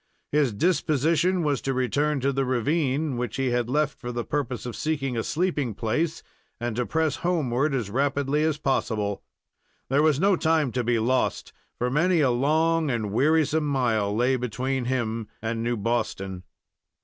His disposition was to return to the ravine, which he had left for the purpose of seeking a sleeping place, and to press homeward as rapidly as possible. There was no time to be lost, for many a long and wearisome mile lay between him and New Boston.